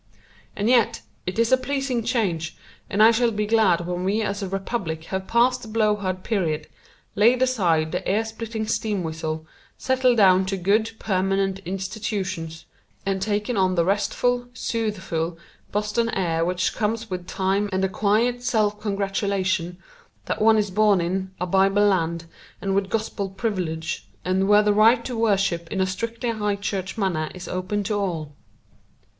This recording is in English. And yet it is a pleasing change, and I shall be glad when we as a republic have passed the blow hard period, laid aside the ear splitting steam whistle, settled down to good, permanent institutions, and taken on the restful, soothful, Boston air which comes with time and the quiet self congratulation that one is born in a Bible land and with Gospel privileges, and where the right to worship in a strictly high church manner is open to all.